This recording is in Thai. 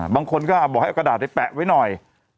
บางคนก็บอกให้เอากระดาษไปแปะไว้หน่อย